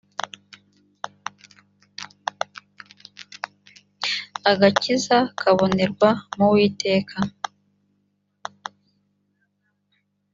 agakiza kabonerwa mu uwiteka